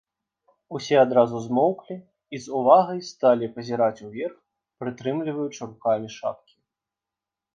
Усе адразу змоўклі і з увагай сталі пазіраць уверх, прытрымліваючы рукамі шапкі.